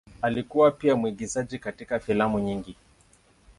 Alikuwa pia mwigizaji katika filamu nyingi.